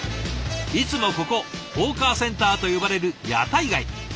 いつもここホーカーセンターと呼ばれる屋台街。